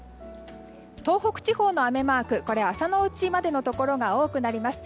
東北地方の雨マーク朝のうちまでのところが多くなります。